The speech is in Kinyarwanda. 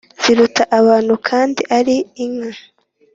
ziruta abantu kandi ari inka